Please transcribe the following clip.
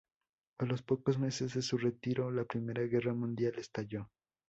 A los pocos meses de su retiro, la Primera Guerra Mundial estalló.